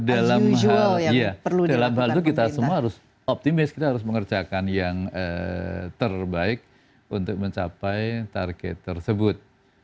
dalam hal itu kita semua harus optimis kita harus mengerjakan yang terbaik untuk mencapai target tersebut